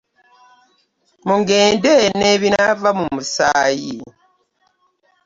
Mugende n'ebinaava mu musaayi.